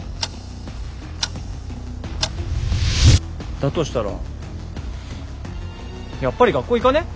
だとしたらやっぱり学校行かね？